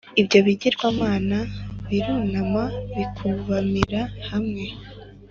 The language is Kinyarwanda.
Ibyo bigirwamana birunama bikubamira hamwe